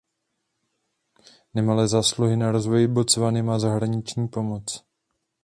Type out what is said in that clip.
Nemalé zásluhy na rozvoji Botswany má zahraniční pomoc.